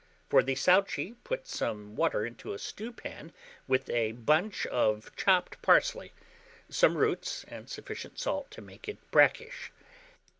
For the souchy, put some water into a stewpan with a bunch of chopped parsley, some roots, and sufficient salt to make it brackish.